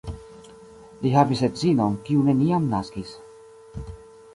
Li havis edzinon, kiu neniam naskis.